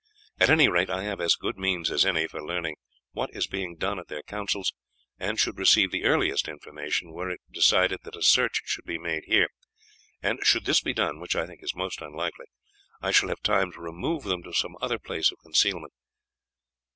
At any rate I have as good means as any for learning what is being done at their councils, and should receive the earliest information were it decided that a search should be made here; and should this be done, which I think is most unlikely, I shall have time to remove them to some other place of concealment.